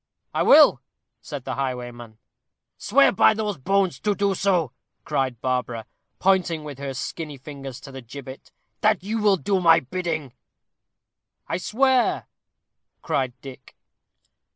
"I will," said the highwayman. "Swear by those bones to do so," cried Barbara, pointing with her skinny fingers to the gibbet; "that you will do my bidding." "I swear," cried Dick.